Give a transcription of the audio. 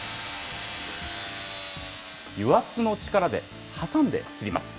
油圧の力で挟んで切ります。